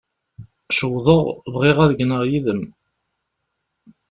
Cewḍeɣ, bɣiɣ ad gneɣ yid-m.